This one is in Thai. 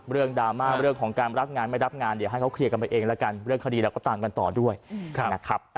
ดราม่าเรื่องของการรับงานไม่รับงานเดี๋ยวให้เขาเคลียร์กันไปเองแล้วกันเรื่องคดีเราก็ตามกันต่อด้วยนะครับ